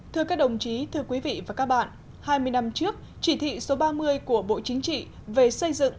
thưa các đồng chí thưa quý vị và các bạn hai mươi năm trước chỉ thị số ba mươi của bộ chính trị về xây dựng